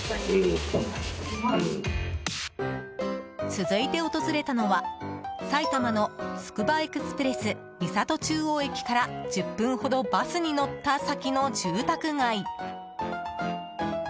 続いて訪れたのは埼玉のつくばエクスプレス三郷中央駅から１０分ほどバスに乗った先の住宅街。